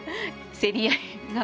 競り合いが。